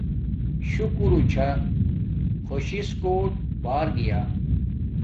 شکور چھا خوش شس کوٹ بار گیا